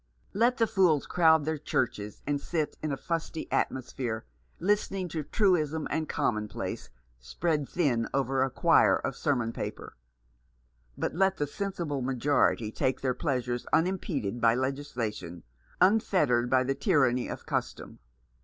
Let the fools crowd their churches, and sit in a fusty atmosphere listening to truism and commonplace spread thin over a quire of sermon paper ; but let the sensible majority take their pleasure unimpeded by legislation, unfettered by the tyranny of custom.